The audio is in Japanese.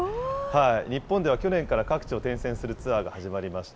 日本では去年から各地を転戦するツアーが始まりました。